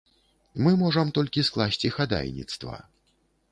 Мы можам толькі скласці хадайніцтва.